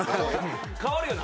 変わるよな